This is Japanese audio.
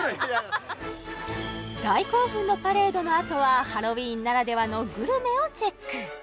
大興奮のパレードのあとはハロウィーンならではのグルメをチェック！